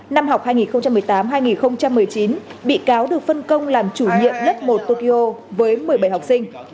năm học hai nghìn một mươi tám hai nghìn một mươi chín bị cáo được phân công làm chủ nhiệm lớp một tokyo với một mươi bảy học sinh